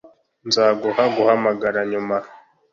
Nzaguha guhamagara nyuma